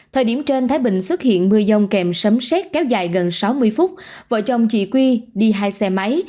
thời điểm trên thái bình xuất hiện mưa dông kèm sấm xét kéo dài gần sáu mươi phút vợ chồng chị quy đi hai xe máy